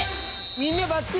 みんなばっちり？